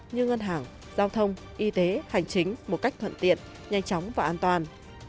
như ngân hàng giao thông y tế hành chính một cách thuận tiện nhanh chóng và an toàn